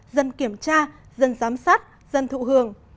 dân kiểm tra dân giám sát dân thụ hưởng